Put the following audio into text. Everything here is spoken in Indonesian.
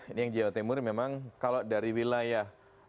ini yang jawa timur memang kalau dari wilayah